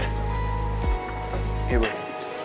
aku mau pergi